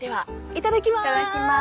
いただきます！